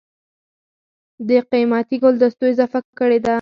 دَ قېمتي ګلدستو اضافه کړې ده